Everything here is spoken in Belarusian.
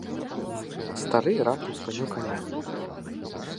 Стары раптам спыніў каня.